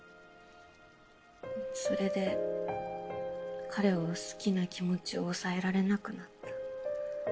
それで彼を好きな気持ちを抑えられなくなった。